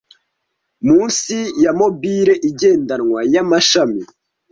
munsi ya mobile igendanwa yamashami